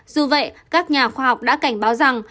dù vậy các nhà khoa học đã cảnh báo rằng